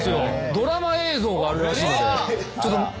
ドラマ映像があるらしいので。